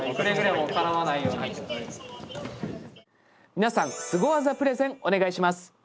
みなさんスゴ技プレゼンお願いします。